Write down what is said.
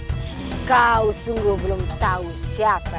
aku sungguh belum tahu siapa